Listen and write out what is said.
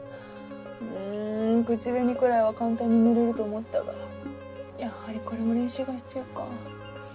ん口紅くらいは簡単に塗れると思ったがやはりこれも練習が必要か。